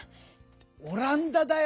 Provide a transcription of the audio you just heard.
「オランダ」だよ！